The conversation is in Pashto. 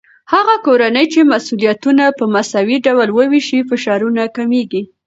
هغه کورنۍ چې مسؤليتونه په مساوي ډول وويشي، فشارونه کمېږي.